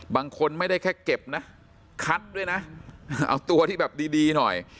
บางคนไม่ได้แค่เก็บนะคัดด้วยนะเอาตัวที่แบบดีดีหน่อย